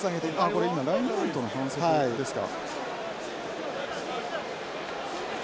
これ今ラインアウトの反則ですか？